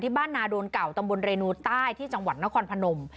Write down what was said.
บ้านนาโดนเก่าตำบลเรนูใต้ที่จังหวัดนครพนม